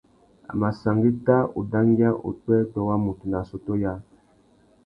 A mà sangüetta udangüia upwêpwê wa mutu nà assôtô yâā.